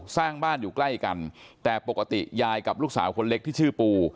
สร้างบ้านอยู่ใกล้กันแต่ปกติยายกับลูกสาวคนเล็กที่ชื่อปู